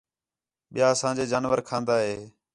ٻِیا اسانجے جانور کھان٘دا ہِے